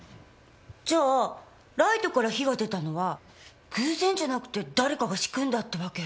じゃあライトから火が出たのは偶然じゃなくて誰かが仕組んだってわけ？